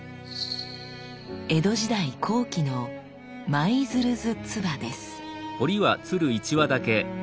江戸時代後期の「舞鶴図鐔」です。